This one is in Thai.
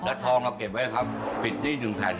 แล้วทองเราเก็บไว้ครับปิดหนี้๑แผ่น